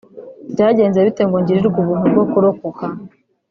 byagenze bite ngo ngirirwe ubuntu bwo kurokoka